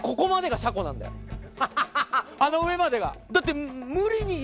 あの上までが。